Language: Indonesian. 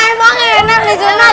ya emang enak disunat